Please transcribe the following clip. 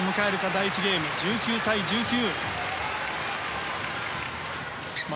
第１ゲーム、１９対１９。